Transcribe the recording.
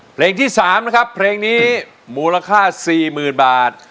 เพลงที่๓นะครับเพลงนี้มูลค่า๔๐๐๐บาท